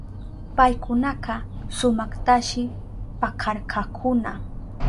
Paykunaka sumaktashi pakarkakuna.